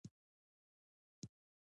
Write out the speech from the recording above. زه هر سهار خپلې دندې ته ځم